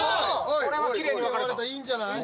これはキレイに分かれたいいんじゃない？